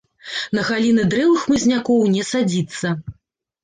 На галіны дрэў і хмызнякоў не садзіцца.